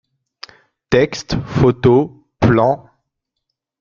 Textes, photos, plans…